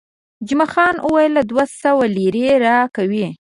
جمعه خان وویل، دوه سوه لیرې راکوي.